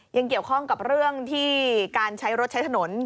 ยังเกี่ยวข้องกับเรื่องที่การใช้รถใช้ถนน